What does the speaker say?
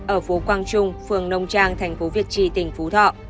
ở phố quang trung phường nông trang thành phố việt trì tỉnh phú thọ